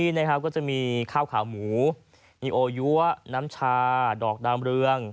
นี่นะครับก็จะมีข้าวขาวหมูอีโอยัวน้ำชาดอกดามเรือง